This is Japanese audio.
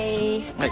はい。